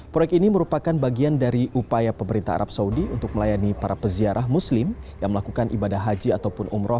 proyek ini merupakan bagian dari upaya pemerintah arab saudi untuk melayani para peziarah muslim yang melakukan ibadah haji ataupun umroh